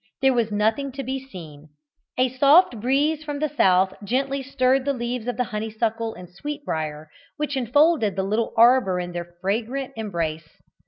There was nothing to be seen. A soft breeze from the south gently stirred the leaves of the honeysuckle and sweetbriar which enfolded the little arbour in their fragrant embrace.